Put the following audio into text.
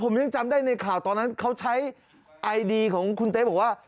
ผมยังจำได้ในข่าวตอนนั้นเขาใช้ไอดีของคุณเต๊ะบอกว่า